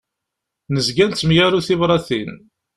Nezga nettemyaru tibratin.